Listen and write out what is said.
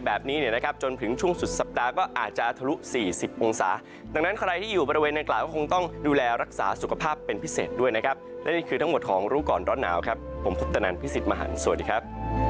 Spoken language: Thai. อาจจะทะลุ๔๐องศาดังนั้นใครที่อยู่บริเวณในกล่าวคงต้องดูแลรักษาสุขภาพเป็นพิเศษด้วยนะครับและนี่คือทั้งหมดของรู้ก่อนร้อนหนาวครับผมพุทธนันทร์พี่สิทธิ์มหันต์สวัสดีครับ